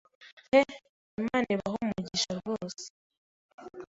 pe Imana ibahe umugisha rwose,